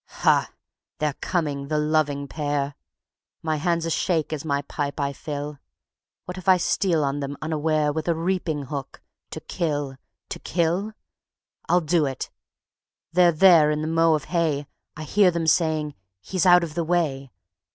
Ha! they're coming, the loving pair. My hand's a shake as my pipe I fill. What if I steal on them unaware With a reaping hook, to kill, to kill? ... I'll do it ... they're there in the mow of hay, I hear them saying: "He's out of the way!"